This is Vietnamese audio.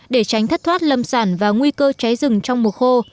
để tránh thất thoát lâm sản và nguy cơ cháy rừng trong mùa khô